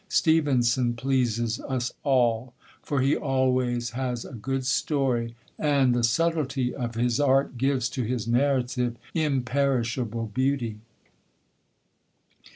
Stevenson pleases us all; for he always has a good story, and the subtlety of his art gives to his narrative imperishable beauty.